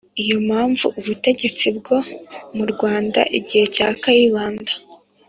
Iyo mpamvu ubutegetsi bwo mu rwanda igihe cya kayibanda